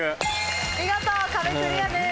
見事壁クリアです。